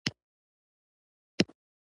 انا له لمسیو سره مینه لري